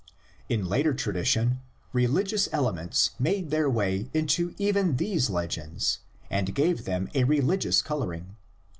In later tradition religious elements made their way into even these legends and gave them a religious color ing.